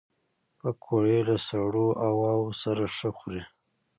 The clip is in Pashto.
پکورې له سړو هواوو سره ښه خوري